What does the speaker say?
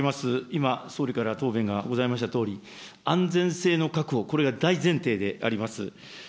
今、総理から答弁がございましたとおり、安全性の確保、これが大前提であります。